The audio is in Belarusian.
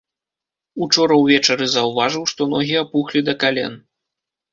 Учора ўвечары заўважыў, што ногі апухлі да кален.